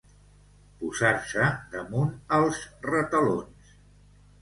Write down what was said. Posar-se damunt els retalons.